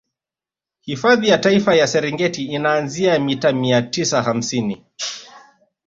Hifadhi ya Taifa ya Serengeti inaanzia mita mia tisa hamsini